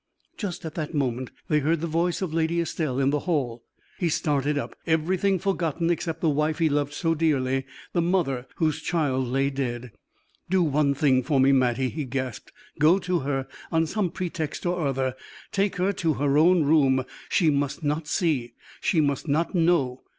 Just at that moment they heard the voice of Lady Estelle in the hall. He started up, everything forgotten except the wife he loved so dearly, the mother whose child lay dead. "Do one thing for me, Mattie," he gasped. "Go to her on some pretext or other take her to her own room; she must not see, she must not know.